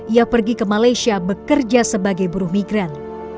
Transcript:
ia pergi ke malaysia bekerja sebagai buruh migran